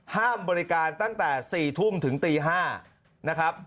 ห้ามบริการตั้งแต่๔ทุ่มถึงตี๕นะครับ